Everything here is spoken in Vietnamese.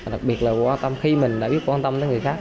đặc biệt là quan tâm khi mình đã biết quan tâm đến người khác